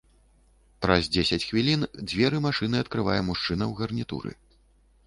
Праз дзесяць хвілін дзверы машыны адкрывае мужчына ў гарнітуры.